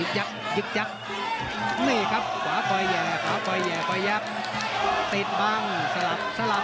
ยึกจับนี่ครับขวาคอยแห่กว่าแหย่ที่ลบติดบ้างสลับสลับ